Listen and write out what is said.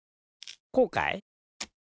こうかい？